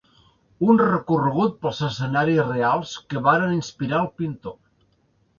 Un recorregut pels escenaris reals que varen inspirar el pintor.